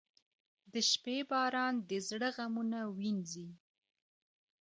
• د شپې باران د زړه غمونه وینځي.